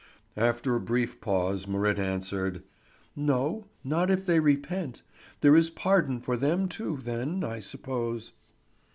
After a brief pause Marit answered: "No, not if they repent; there is pardon for them too, then, I suppose."